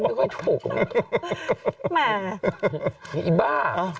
ไม่ค่อยถูกมาฮ่า